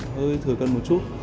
hơi thừa cân một chút